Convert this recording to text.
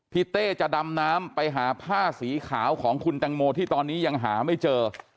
เต้จะดำน้ำไปหาผ้าสีขาวของคุณตังโมที่ตอนนี้ยังหาไม่เจอ